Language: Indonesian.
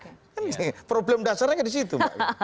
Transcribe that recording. kan problem dasarnya gak di situ